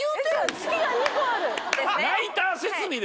月が２個ある。